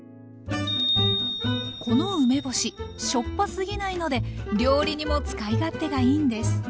この梅干ししょっぱすぎないので料理にも使い勝手がいいんです。